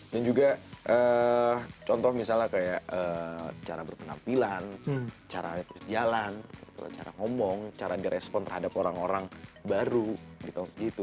dan juga contoh misalnya kayak cara berpenampilan cara berjalan cara ngomong cara di respon terhadap orang orang baru gitu